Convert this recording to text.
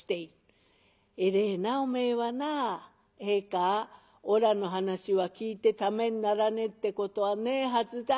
「偉えなあお前はなあ。ええかおらの話は聞いてためにならねえってことはねえはずだ。